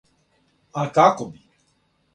А како би?